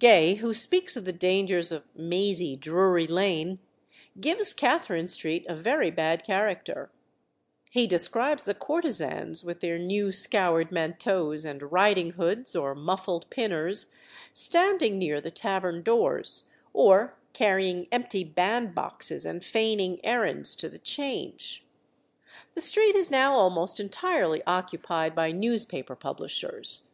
Gay, who speaks of the dangers of "mazy Drury Lane," gives Catherine Street a very bad character. He describes the courtesans, with their new scoured manteaus and riding hoods or muffled pinners, standing near the tavern doors, or carrying empty bandboxes, and feigning errands to the Change. The street is now almost entirely occupied by newspaper publishers.